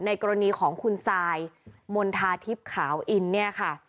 กรณีของคุณซายมณฑาทิพย์ขาวอินเนี่ยค่ะ